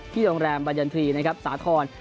ที่โรงแรมบัญญันทรีย์สาธรณ์